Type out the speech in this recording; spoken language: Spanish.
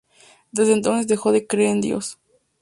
Desde entonces dejó de creer en Dios.